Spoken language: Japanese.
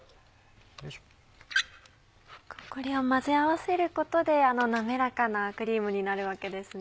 これを混ぜ合わせることであの滑らかなクリームになるわけですね。